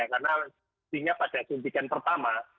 karena sehingga pada suntikan pertama